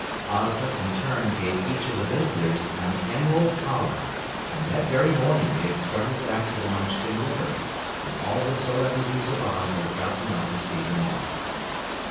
Ozma in turn gave each of the visitors an emerald collar, and that very morning they had started back to the Munchkin River, and all the celebrities of Oz had gotten up to see them off.